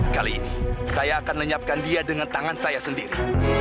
kali ini saya akan lenyapkan dia dengan tangan saya sendiri